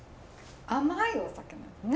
甘いお酒なのよね